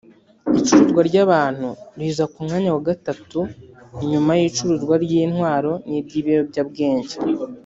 icuruzwa ry’abantu riza ku mwanya wa gatatu nyuma y’icuruzwa ry’intwaro n’iry’ibiyobyabwenge